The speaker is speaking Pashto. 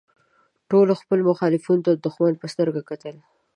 ټولو خپلو مخالفینو ته د دوښمن په سترګه کتلي.